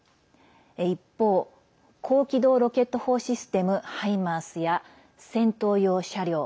一方、高機動ロケット砲システム「ハイマース」や、戦闘用車両。